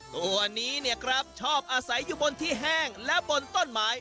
ตัวนี้เนี่ยครับชอบอาศัยอยู่บนที่แห้งและบนต้นไม้